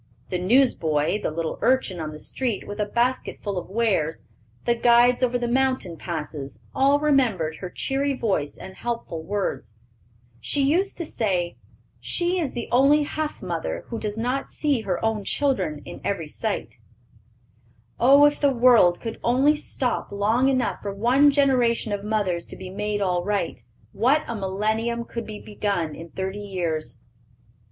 The newsboy, the little urchin on the street with a basket full of wares, the guides over the mountain passes, all remembered her cheery voice and helpful words. She used to say, "She is only half mother who does not see her own child in every child. Oh, if the world could only stop long enough for one generation of mothers to be made all right, what a Millennium could be begun in thirty years!"